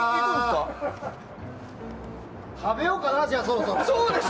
食べようかな、じゃあそろそろ。